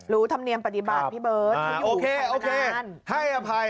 รู้ธรรมเนียมปฏิบัติพี่เบิร์ตอยู่ข้างนาน